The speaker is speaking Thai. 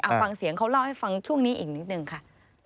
ฟังเสียงเขาเล่าให้ฟังช่วงนี้อีกนิดนึงค่ะ